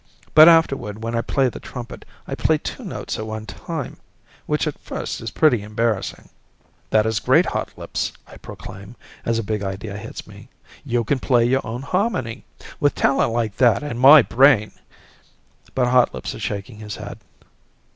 "But afterward when I play the trumpet, I play two notes at one time, which at first is pretty embarrassing." "This is great, Hotlips," I proclaim as a big idea hits me; "you can play your own harmony. With talent like that, and my brain " But Hotlips is shaking his head.